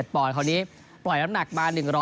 ๑๑๗ปอนคอนี้ปล่อยลำหนักมา